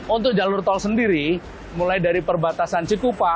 untuk jalur tol sendiri mulai dari perbatasan cikupa